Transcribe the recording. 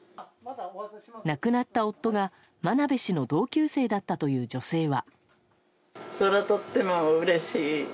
亡くなった夫が真鍋氏の同級生だったという女性は。